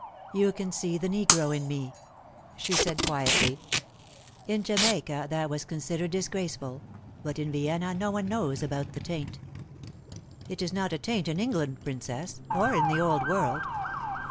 "You can see the negro in me," she said quietly. "In Jamaica that was considered disgraceful, but in Vienna no one knows about the taint." "It is not a taint in England, Princess or in the Old World."